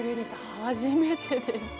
初めてです。